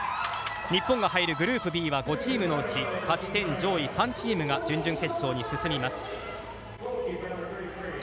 日本が入るグループＢは５チームのうち勝ち点上位３チームが準々決勝に進みます。